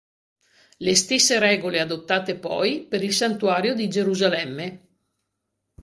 Le stesse regole adottate poi per il Santuario di Gerusalemme.